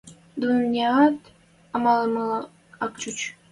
Дуняат амалымыла ак чуч.